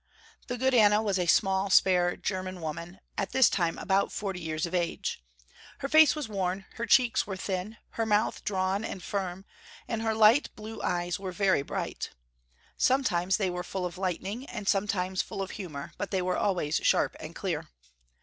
The good Anna was a small, spare, german woman, at this time about forty years of age. Her face was worn, her cheeks were thin, her mouth drawn and firm, and her light blue eyes were very bright. Sometimes they were full of lightning and sometimes full of humor, but they were always sharp and clear.